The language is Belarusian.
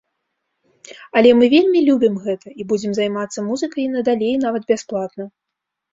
Але мы вельмі любім гэта і будзем займацца музыкай і надалей нават бясплатна.